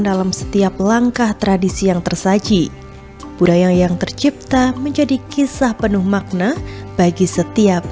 dalam setiap langkah tradisi yang tersaji budaya yang tercipta menjadi kisah penuh makna bagi setiap